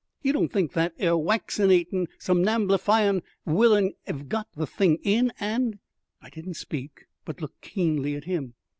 "You don't think that 'ere waccinatin', sumnamblifyin' willain 'ev got the thing in 'and?" I didn't speak, but looked keenly at him.